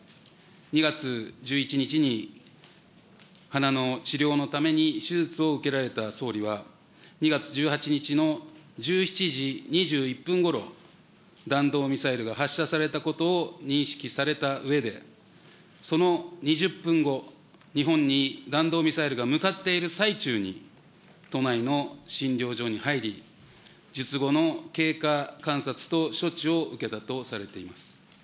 ２月１１日に鼻の治療のために手術を受けられた総理は、２月１８日の１７時２１分ごろ、弾道ミサイルが発射されたことを認識されたうえで、その２０分後、日本に弾道ミサイルが向かっている最中に、都内の診療所に入り、術後の経過観察と処置を受けたとされています。